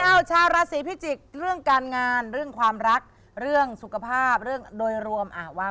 ชาวราศีพิจิกษ์เรื่องการงานเรื่องความรักเรื่องสุขภาพเรื่องโดยรวมว่า